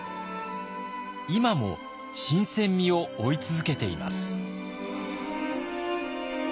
今も新鮮味を追い続けています。